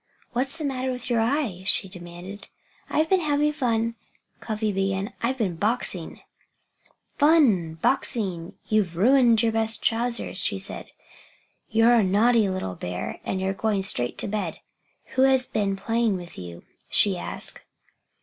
"What's the matter with your eye?" she demanded. "I've been having fun " Cuffy began. "I've been boxing " "Fun! Boxing! You've ruined your best trousers," she said. "You're a naughty little bear and you're going straight to bed. Who has been playing with you?" she asked.